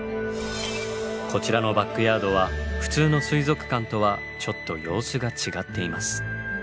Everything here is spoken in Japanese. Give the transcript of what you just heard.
こちらのバックヤードは普通の水族館とはちょっと様子が違っています。